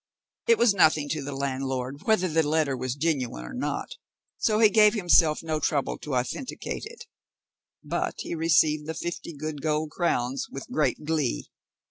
It was nothing to the landlord whether the letter was genuine or not, so he gave himself no trouble to authenticate it; but he received the fifty good gold crowns with great glee.